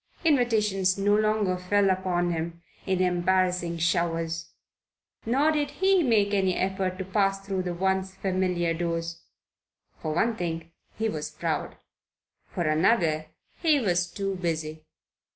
Invitations no longer fell upon him in embarrassing showers. Nor did he make any attempt to pass through the once familiar doors. For one thing, he was proud: for another he was too busy.